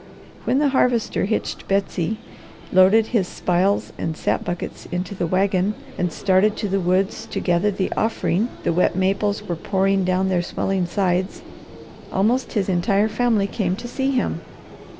When the Harvester hitched Betsy, loaded his spiles and sap buckets into the wagon, and started to the woods to gather the offering the wet maples were pouring down their swelling sides, almost his entire family came to see him.